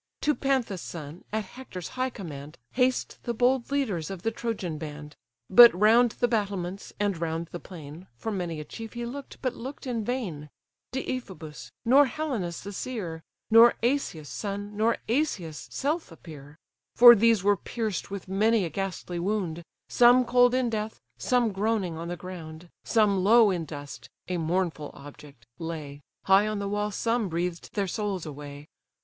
To Panthus' son, at Hector's high command Haste the bold leaders of the Trojan band: But round the battlements, and round the plain, For many a chief he look'd, but look'd in vain; Deiphobus, nor Helenus the seer, Nor Asius' son, nor Asius' self appear: For these were pierced with many a ghastly wound, Some cold in death, some groaning on the ground; Some low in dust, (a mournful object) lay; High on the wall some breathed their souls away.